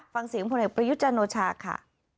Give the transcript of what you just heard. ฟังสิงห์ผู้เด็กประยุจรรย์โอชาค่ะ